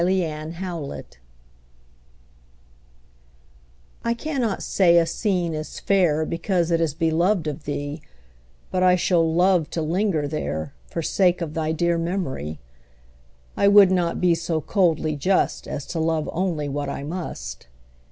IMPARTIALITY I cannot say a scene is fair Because it is beloved of thee But I shall love to linger there, For sake of thy dear memory; I would not be so coldly just As to love only what I must.